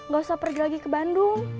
gak usah pergi lagi ke bandung